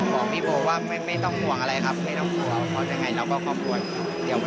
บอกพี่ปอล์ว่าไม่ต้องห่วงอะไรครับไม่ต้องห่วง